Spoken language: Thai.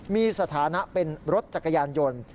มีสถานะเป็นรถจักรยานยนต์